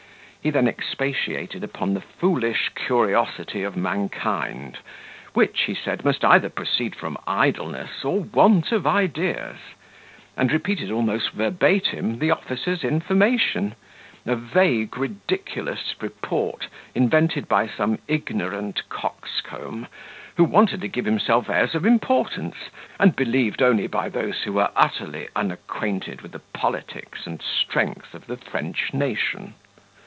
He then expatiated upon the foolish curiosity of mankind, which, he said, must either proceed from idleness or want of ideas; and repeated almost verbatim the officer's information, a vague ridiculous report invented by some ignorant coxcomb, who wanted to give himself airs of importance, and believed only by those who were utterly unacquainted with the politics and strength of the French nation.